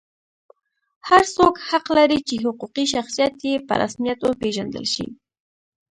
هر څوک حق لري چې حقوقي شخصیت یې په رسمیت وپېژندل شي.